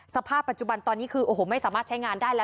สภาพปัจจุบันตอนนี้คือโอ้โหไม่สามารถใช้งานได้แล้ว